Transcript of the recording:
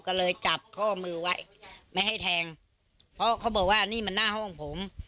ก็เลยจับข้อมือไว้ไม่ให้แทงเพราะเขาบอกว่านี่มันหน้าห้องผม